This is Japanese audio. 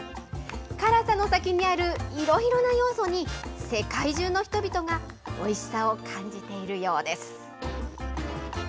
辛さの先にあるいろいろな要素に、世界中の人々がおいしさを感じているようです。